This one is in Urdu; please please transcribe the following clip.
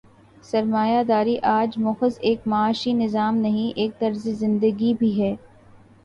سرمایہ داری آج محض ایک معاشی نظام نہیں، ایک طرز زندگی بھی ہے۔